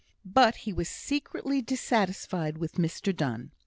But he was secretly dissatisfied with Mr Donne.